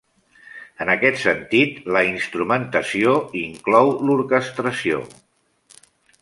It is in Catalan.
En aquest sentit, la instrumentació inclou l'orquestració.